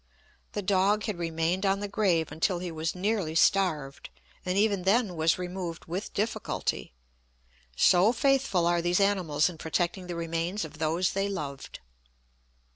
The dog had remained on the grave until he was nearly starved, and even then was removed with difficulty; so faithful are these animals in protecting the remains of those they loved.